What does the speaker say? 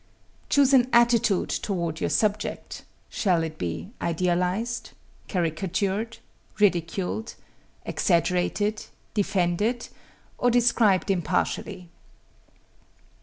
Choose an attitude toward your subject shall it be idealized? caricatured? ridiculed? exaggerated? defended? or described impartially?